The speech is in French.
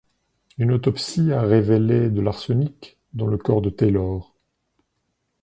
Une autopsie a révélé de l'arsenic dans le corps de Taylor.